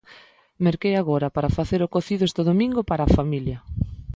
Merquei agora para facer o cocido este domigo para a familia.